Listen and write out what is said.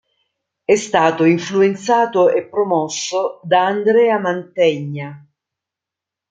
È stato influenzato e promosso da Andrea Mantegna.